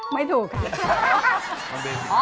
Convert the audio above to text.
ไม่ถูกค่ะ